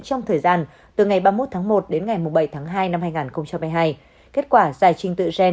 trong thời gian từ ngày ba mươi một tháng một đến ngày bảy tháng hai năm hai nghìn một mươi hai